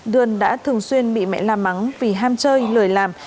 đươn đã thường xuyên bị mẹ la mắng vì ham chơi lời làm